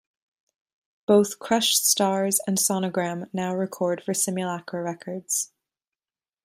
Both Crushed Stars and Sonogram now record for Simulacra Records.